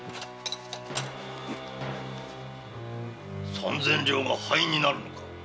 三千両が灰になるのか。